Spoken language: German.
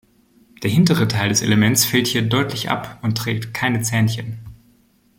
Der hintere Teil des Elements fällt hier deutlich ab und trägt keine Zähnchen.